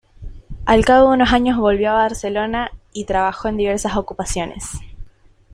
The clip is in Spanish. Al cabo de unos años volvió a Barcelona y trabajó en diversas ocupaciones.